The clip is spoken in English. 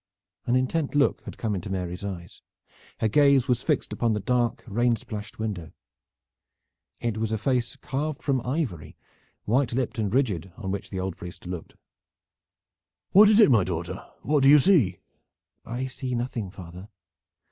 An intent look had come into Mary's eyes; her gaze was fixed upon the dark rain splashed window. It was a face carved from ivory, white lipped and rigid, on which the old priest looked. "What is it, my daughter? What do you see?" "I see nothing, father."